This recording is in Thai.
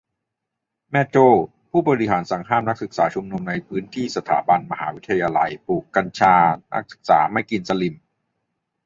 - แม่โจ้ ผู้บริหารสั่งห้ามนักศึกษาชุมนุมในพื้นที่สถาบัน มหาวิทยาลัยปลูกกัญชานักศึกษาไม่กินสลิ่ม